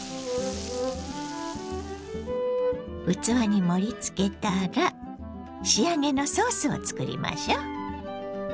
器に盛りつけたら仕上げのソースを作りましょ。